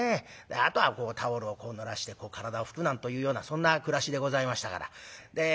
あとはタオルをこうぬらして体を拭くなんというようなそんな暮らしでございましたから。